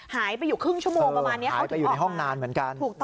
หายไปอยู่ครึ่งชั่วโมงประมาณนี้ค่ะหายไปอยู่ในห้องนานเหมือนกัน